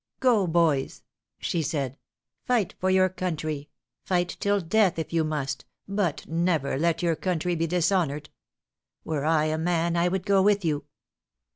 "Go, boys," she said; "fight for your country! fight till death, if you must, but never let your country be dishonored. Were I a man I would go with you."